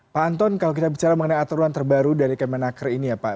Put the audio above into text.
pak anton kalau kita bicara mengenai aturan terbaru dari kemenaker ini ya pak